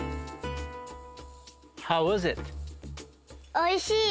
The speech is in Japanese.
おいしい！